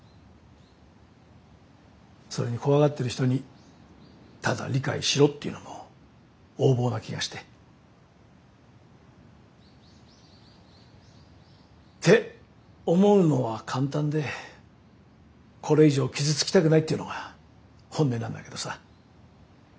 それに怖がってる人にただ理解しろっていうのも横暴な気がして。って思うのは簡単でこれ以上傷つきたくないっていうのが本音なんだけどさ。